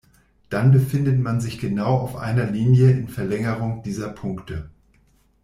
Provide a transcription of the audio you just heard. Dann befindet man sich genau auf einer Linie in Verlängerung dieser Punkte.